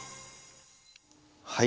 はい。